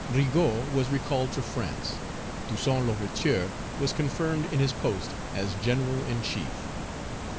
Rigaud was recalled to France. Toussaint L'Ouverture was confirmed in his post as General in chief.